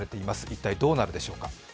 一体どうなるでしょうか。